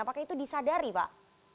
apakah itu disadari pak